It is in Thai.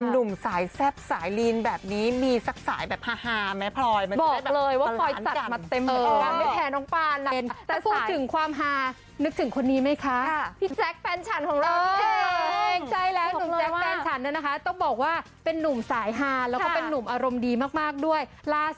หนุ่มสายแซ่บสายลีนแบบนี้มีสักสายไปพาหาแม่พรอยมันด้วยอย่างว่ากล้อนมัดเพรดมันกว่า